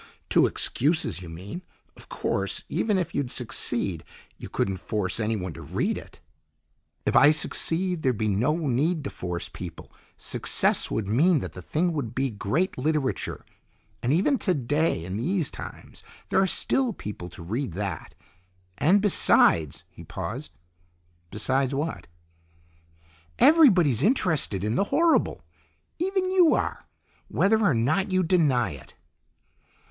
"Two excuses, you mean. Of course, even if you'd succeed, you couldn't force anyone to read it." "If I succeed, there'd be no need to force people. Success would mean that the thing would be great literature, and even today, in these times, there are still people to read that. And besides " He paused. "Besides what?" "Everybody's interested in the horrible. Even you are, whether or not you deny it."